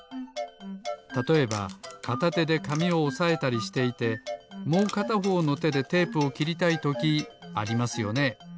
たとえばかたてでかみをおさえたりしていてもうかたほうのてでテープをきりたいときありますよね。